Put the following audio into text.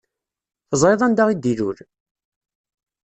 Teẓṛiḍ anda i d-ilul?